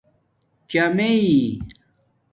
چامیئئ